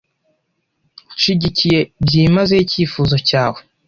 Nshyigikiye byimazeyo icyifuzo cyawe .